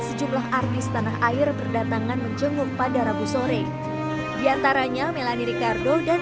sejumlah artis tanah air berdatangan menjenguk pada rabu sore diantaranya melani ricardo dan